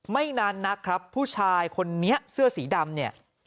ไม่นานนักครับผู้ชายคนนี้เสื้อสีดำเนี่ย